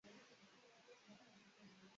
Hano hari abagabo bane bashira intebe